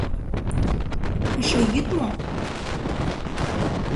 Эше йӱд мо?